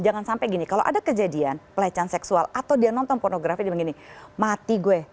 jangan sampai gini kalau ada kejadian pelecehan seksual atau dia nonton pornografi dia begini mati gue